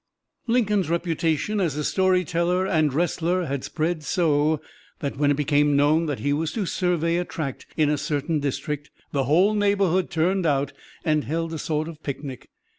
Lincoln's reputation as a story teller and wrestler had spread so that when it became known that he was to survey a tract in a certain district the whole neighborhood turned out and held a sort of picnic.